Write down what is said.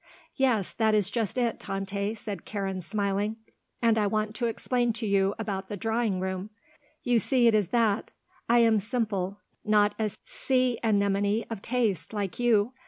"Yes, that is just it, Tante," said Karen, smiling. "And I wanted to explain to you about the drawing room. You see it is that; I am simple; not a sea anemone of taste, like you.